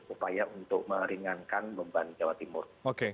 upaya untuk meringankan beban jawa timur